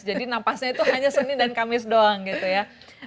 jadi napasnya itu hanya senin dan kamis doang gitu ya